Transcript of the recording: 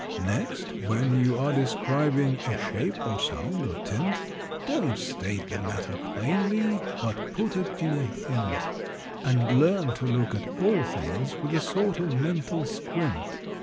"Next, when you are describing A shape, or sound, or tint; Don't state the matter plainly, But put it in a hint; And learn to look at all things With a sort of mental squint."